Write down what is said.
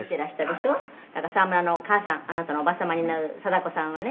「だから沢村のお母さんあなたの叔母様になる貞子さんはね